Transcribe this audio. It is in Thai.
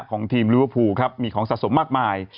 ของทีมลิเวอร์พูลครับมีของสะสมมากมาย